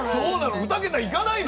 ２桁いかないの？